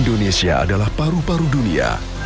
indonesia adalah paru paru dunia